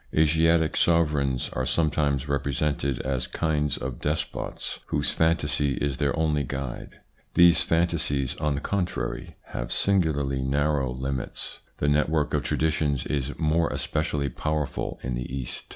Asiatic sovereigns are sometimes represented as kinds of despots whose fantasy is their only guide. These fantasies, on the contrary, have singularly narrow ITS INFLUENCE ON THEIR EVOLUTION 183 limits. The network of traditions is more especially powerful in the East.